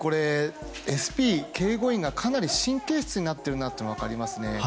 ＳＰ、警護員がかなり神経質になっているなというのが分かりますね。